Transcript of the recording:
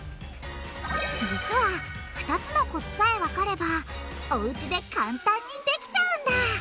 実は２つのコツさえわかればおうちで簡単にできちゃうんだ。